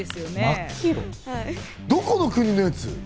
どこの国のやつ？